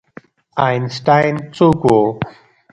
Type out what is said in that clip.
آینسټاین څوک و؟